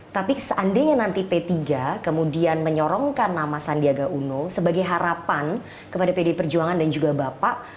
tapi seandainya nanti p tiga kemudian menyorongkan nama sandiaga uno sebagai harapan kepada pd perjuangan dan juga bapak